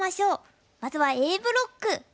まずはＡブロック。